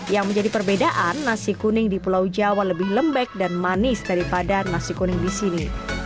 yang menjadi perbedaan nasi kuning di pulau jawa lebih lembek dan manis daripada nasi kuning di sini